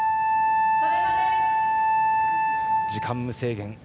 時間無制限。